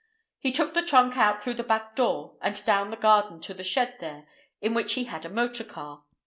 He took the trunk out through the back door and down the garden to the shed there, in which he had a motor car.